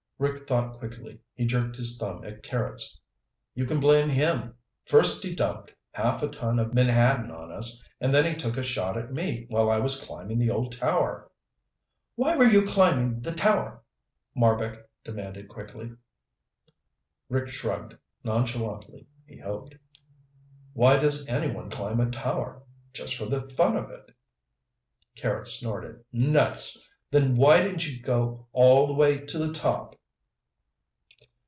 Rick thought quickly. He jerked his thumb at Carrots. "You can blame him. First he dumped half a ton of menhaden on us and then he took a shot at me while I was climbing the old tower." "Why were you climbin' the tower?" Marbek demanded quickly. Rick shrugged, nonchalantly, he hoped. "Why does anyone climb a tower? Just for the fun of it." Carrots snorted. "Nuts! Then why didn't you go all the way to the top?"